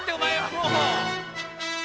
⁉もう！